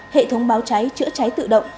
hệ thống báo cháy chữa cháy tự động